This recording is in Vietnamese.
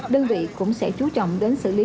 đơn vị cũng sẽ chú trọng đến xử lý